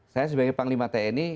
saya sebagai panglima tni